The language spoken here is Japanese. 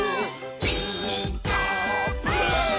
「ピーカーブ！」